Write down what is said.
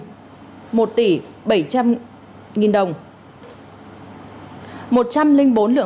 một trăm linh bốn lượng vàng s gc một thỏi kim loại màu vàng và nhiều đồ vật tài liệu có liên quan